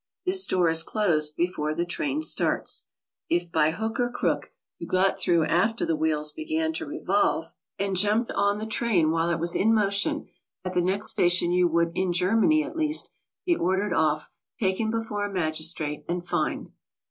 This door is closed before the train starts. If by hook or crook you got through after the wheels began to revolve, and jumped on HOW TO TRAVEL ABROAD. 63 the train while it was in motion, at the next station you would, in Germany, at least, be ordered off, taken before a magistrate, and fined.